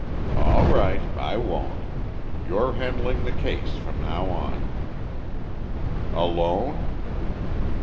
"All right, I won't. You're handling the case from now on." "Alone?"